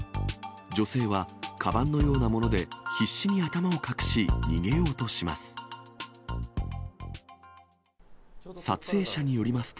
女性は、かばんのようなもので必死に頭を隠し、逃げようとします。